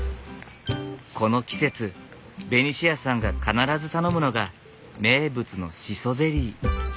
この季節ベニシアさんが必ず頼むのが名物のシソゼリー。